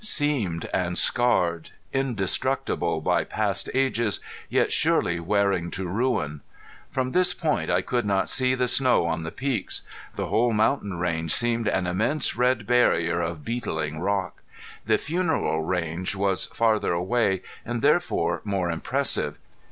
Seamed and scarred! Indestructible by past ages, yet surely wearing to ruin! From this point I could not see the snow on the peaks. The whole mountain range seemed an immense red barrier of beetling rock. The Funeral Range was farther away and therefore more impressive.